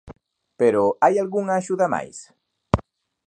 Pero hai algunha axuda máis?